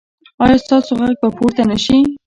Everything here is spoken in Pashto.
ایا ستاسو غږ به پورته نه شي؟